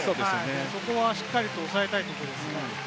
そこはしっかり抑えたいところですね。